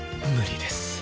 無理です。